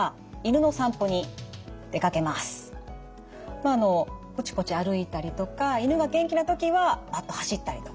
まああのぽちぽち歩いたりとか犬が元気な時はバッと走ったりとか。